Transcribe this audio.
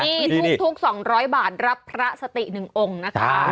นี่ทุกสองร้อยบาทรับพระสติหนึ่งองค์นะคะ